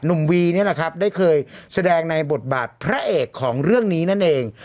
วีนี่แหละครับได้เคยแสดงในบทบาทพระเอกของเรื่องนี้นั่นเอง